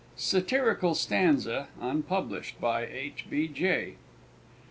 _Satirical Stanza (unpublished) by H. B. J.